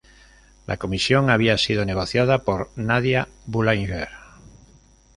La comisión había sido negociada por Nadia Boulanger.